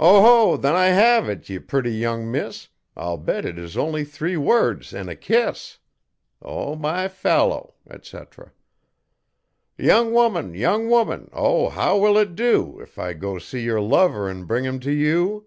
'Oho! then I hev it, ye purty young miss! I'll bet it is only three words an' a kiss.' O, my fallow, etc. 'Young woman, young woman, O how will it dew If I go see yer lover 'n bring 'em t' you?'